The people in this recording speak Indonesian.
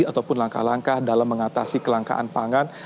ataupun langkah langkah dalam mengatasi kelangkaan pangan